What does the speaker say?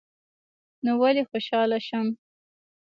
نو ولي خوشحاله شم